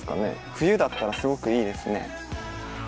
冬だったらすごくいいですね。